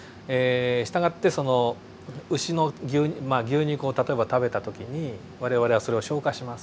従ってその牛の牛肉を例えば食べた時に我々はそれを消化します。